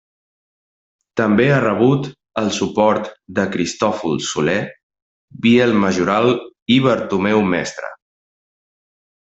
També ha rebut el suport de Cristòfol Soler, Biel Majoral i Bartomeu Mestre.